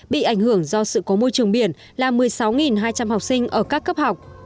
bị ảnh hưởng do sự cố môi trường biển là một mươi sáu hai trăm linh học sinh ở các cấp học